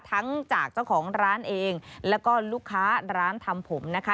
จากเจ้าของร้านเองแล้วก็ลูกค้าร้านทำผมนะคะ